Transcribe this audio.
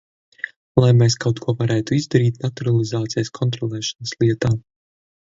Lai mēs kaut ko varētu izdarīt naturalizācijas kontrolēšanas lietā.